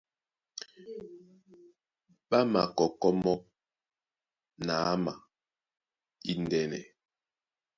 Ɓá makɔkɔ́ mɔ́ na ama índɛ́nɛ.